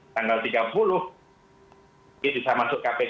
tanggal tiga puluh g bisa masuk kpk